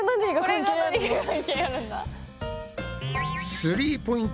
スリーポイント